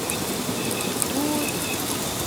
Duudi.